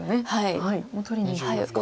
もう取りにいきますか。